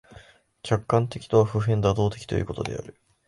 客観的とは普遍妥当的ということである。